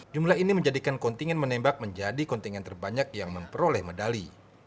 jumlah ini menjadikan kontingen menembak menjadi kontingen terbanyak yang memperoleh medali